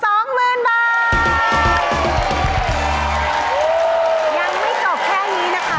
ยังไม่จบแค่นี้นะคะ